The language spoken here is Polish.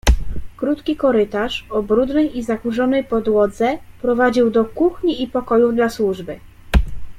"Krótki korytarz, o brudnej, zakurzonej podłodze, prowadził do kuchni i pokojów dla służby."